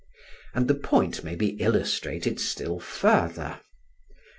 And the point may be illustrated still further.